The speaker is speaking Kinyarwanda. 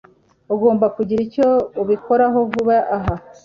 Ugomba kugira icyo ubikoraho vuba aha.